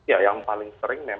ya yang paling terakhir ini adalah